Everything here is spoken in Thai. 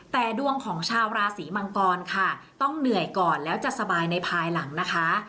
แต่ดวงของชาวราศีมังกรค่ะต้องเหนื่อยก่อนแล้วจะสบายในภายหลังนะคะ